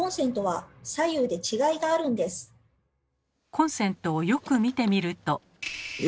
コンセントをよく見てみると。え？